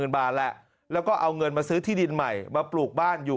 บาทแหละแล้วก็เอาเงินมาซื้อที่ดินใหม่มาปลูกบ้านอยู่